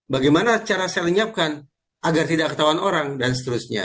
bagaimana cara saya lenyapkan agar tidak ketahuan orang dan seterusnya